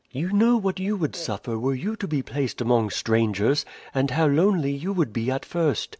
You know what you would suffer were you to be placed among strangers, and how lonely you would be at first.